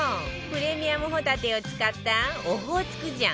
プレミアムホタテを使ったオホーツク醤食べてみて